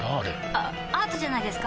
あアートじゃないですか？